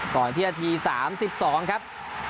ก่อนที่นาที๓๒ครับ